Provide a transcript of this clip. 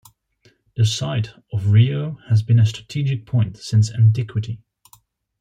The site of Rio has been a strategic point since antiquity.